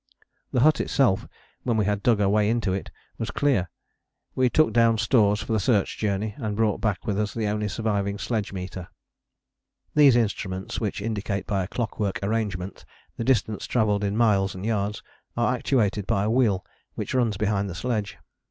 The hut itself, when we had dug our way into it, was clear. We took down stores for the Search Journey, and brought back with us the only surviving sledge meter. These instruments, which indicate by a clockwork arrangement the distance travelled in miles and yards, are actuated by a wheel which runs behind the sledge.